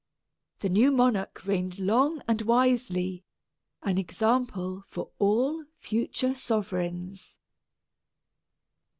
The new monarch reigned long and wisely an example for all future sovereigns.